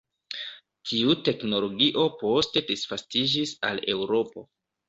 Tiu teknologio poste disvastiĝis al Eŭropo.